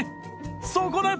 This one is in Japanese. そこで